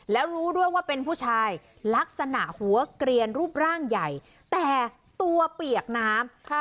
แล้วรู้ด้วยว่าเป็นผู้ชายลักษณะหัวเกลียนรูปร่างใหญ่แต่ตัวเปียกน้ำ